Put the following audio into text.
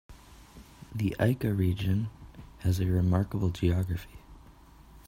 The Ica Region has a remarkable geography.